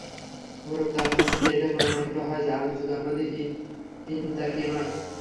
উপরোক্ত আলোচনা থেকে এটাই প্রমাণিত হয় যে, আলোচ্য জনপদ ইনতাকিয়া নয়।